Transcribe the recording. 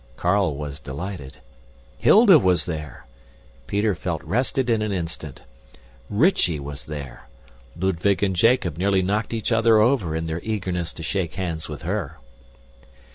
Carl was delighted. Hilda was there! Peter felt rested in an instant. Rychie was there! Ludwig and Jacob nearly knocked each other over in their eagerness to shake hands with her.